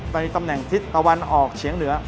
ตำแหน่งทิศตะวันออกเฉียงเหนือ